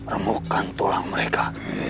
remukkan tulang mereka